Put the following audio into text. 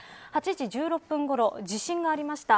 ８時１６分ごろ地震がありました。